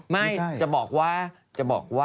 ไม่ใช่หรอก